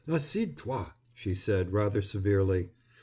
Assieds toi_," she said rather severely.